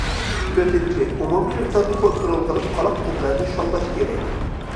تۆتىنچى، ئومۇمىي مىقدارنى كونترول قىلىپ، قالاق تۈرلەرنى شاللاش كېرەك.